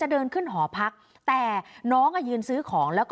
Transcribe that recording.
ผมก็เลยบอกว่าน้องเข้ามาแล้ว